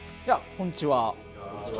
こんにちは。